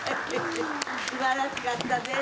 すばらしかったです。